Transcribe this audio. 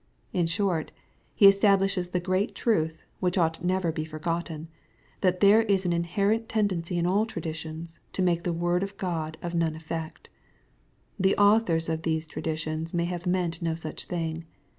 In short. He establishes the great truth, which ought never be forgotten, that there is an inherent tendency in aU traditions, to " make the word of God of none effect." The authors of these traditions may have meant no such thing.